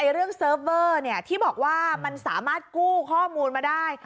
เรื่องเซิร์ฟเวอร์ที่บอกว่ามันสามารถกู้ข้อมูลมาได้